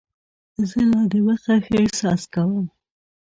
زه لا دمخه ښه احساس کوم.